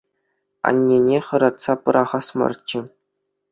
Аннене хӑратса пӑрахас марччӗ.